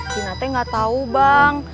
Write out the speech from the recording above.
dina teh gak tau bang